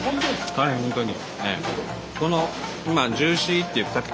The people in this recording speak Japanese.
はい本当に。